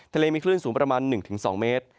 ทะเลมีคลื่นสูงประมาณ๑๒เมตร